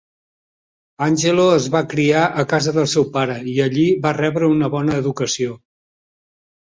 Angelo es va criar a casa del seu pare i allí va rebre una bona educació.